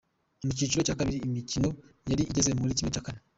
Mu cyiciro cya kabiri, imikino yari igeze muri kimwe cya kane